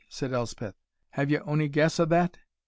said Elspeth; "have ye ony guess o' that?"